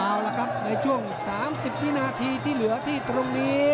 เอาละครับในช่วง๓๐วินาทีที่เหลือที่ตรงนี้